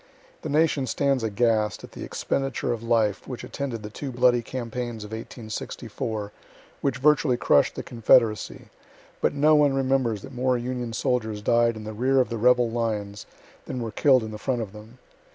The nation stands aghast at the expenditure of life which attended the two bloody campaigns of 1864, which virtually crush'd the confederacy, but no one remembers that more Union soldiers died in the rear of the rebel lines than were kill'd in the front of them.